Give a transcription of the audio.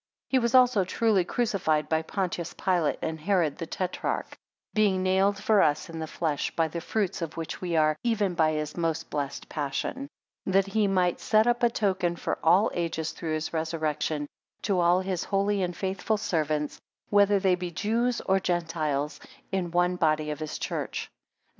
5 He was also truly crucified by Pontius Pilate, and Herod the Tetrarch, being nailed for us in the flesh; by the fruits of which we are, even by his most blessed Passion; 6 That he might set up a token for all ages through his resurrection, to all his holy and faithful servants, whether they be Jews or Gentiles, in one body of his church.